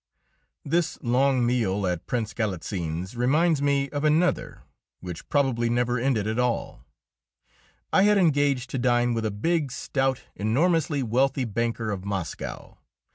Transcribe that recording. This long meal at Prince Galitzin's reminds me of another, which probably never ended at all. I had engaged to dine with a big, stout, enormously wealthy banker of Moscow.